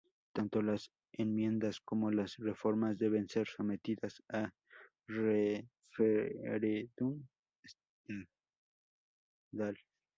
Tanto las enmiendas como las reformas deben ser sometidas a Referendum estadal.